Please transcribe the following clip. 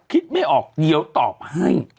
คิดไม่ออกเดี๋ยวตอบให้